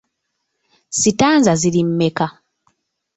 Sitanza ziri mmeka?